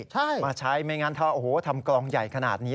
ใช่มาใช้ไม่งั้นถ้าโอ้โหทำกลองใหญ่ขนาดนี้